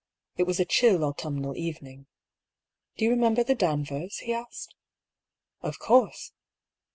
It was a chill autumnal evening. " Do you re member the Danvers ?" he asked. "Of course."